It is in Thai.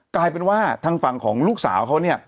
กลายเป็นว่าทางฝั่งของลูกสาวเขาเนี่ย